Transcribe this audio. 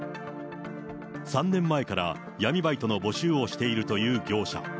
３年前から闇バイトの募集をしているという業者。